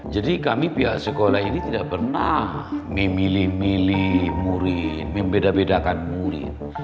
kami pihak sekolah ini tidak pernah memilih milih murid membeda bedakan murid